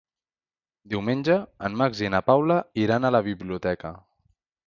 Diumenge en Max i na Paula iran a la biblioteca.